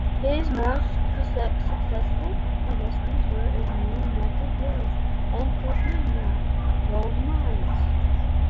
His most successful investments were in the "New Native Youth" and "Tasmania" gold mines.